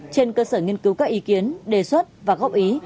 trên cơ sở nghiên cứu các ý kiến đề xuất và góp ý